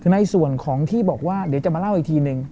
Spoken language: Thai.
ในส่วนของที่บอกว่าเดี๋ยวจะมาเล่าอีกทีนึง